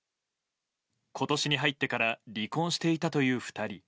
今年に入ってから離婚していたという２人。